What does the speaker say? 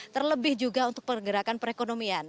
terlebih juga untuk pergerakan perekonomian